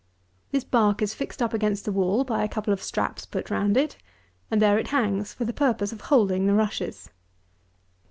This bark is fixed up against the wall by a couple of straps put round it; and there it hangs for the purpose of holding the rushes.